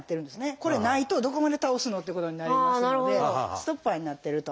これないとどこまで倒すの？っていうことになりますのでストッパーになってると。